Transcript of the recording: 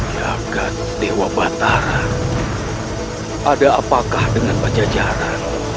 ya dewa batara ada apakah dengan baca jarak